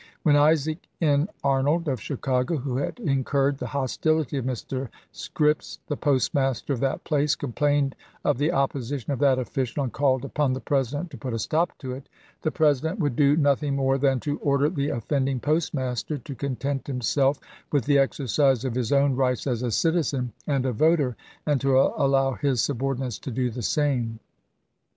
When Isaac N. Arnold of Chicago, who had incurred the hostility of Mr. Scripps, the postmaster at that place, complained of the opposition of that official and called upon the President to put a stop to it, the President would do nothing more than to order the offending postmaster to content himself with the exercise of his own rights as a citizen and a voter and to allow his subordinates to do the same.